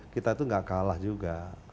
kita itu gak kalah juga